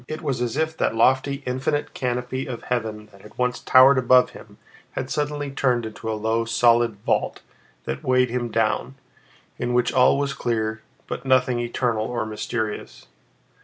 It was as if that lofty, infinite canopy of heaven that had once towered above him had suddenly turned into a low, solid vault that weighed him down, in which all was clear, but nothing eternal or mysterious.